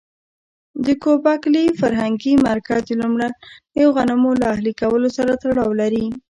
د ګوبک لي فرهنګي مرکز د لومړنیو غنمو له اهلي کولو سره تړاو لري.